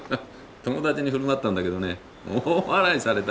友達に振る舞ったんだけどね大笑いされた。